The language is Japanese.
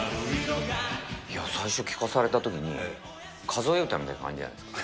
最初聴かされたときに、数え歌みたいな感じじゃないですか。